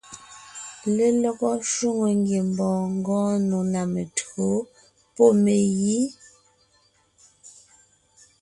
Lelɔgɔ shwòŋo ngiembɔɔn ngɔɔn nò ná mentÿǒ pɔ́ megǐ.